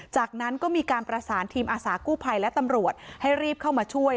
จากนั้นก็มีการประสานทีมอาสากู้ภัยและตำรวจให้รีบเข้ามาช่วย